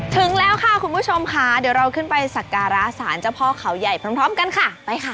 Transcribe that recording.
ถึงแล้วค่ะคุณผู้ชมค่ะเดี๋ยวเราขึ้นไปสักการะสารเจ้าพ่อเขาใหญ่พร้อมกันค่ะไปค่ะ